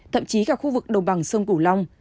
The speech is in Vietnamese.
thậm chí cả khu vực đồng bằng sông cửu long